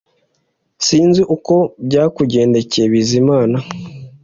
Sinzi uko byagendekeye Bizimana